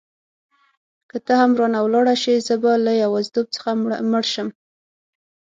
که ته هم رانه ولاړه شې زه به له یوازیتوب څخه مړ شم.